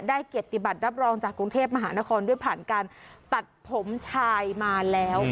เกียรติบัตรรับรองจากกรุงเทพมหานครด้วยผ่านการตัดผมชายมาแล้ว